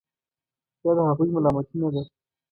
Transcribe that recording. دا د هغوی ملامتي نه ده.